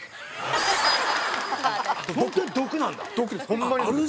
ホンマに毒。